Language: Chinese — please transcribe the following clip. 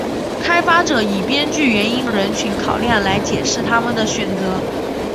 开发者以编剧原因和目标人群考量来解释他们的选择。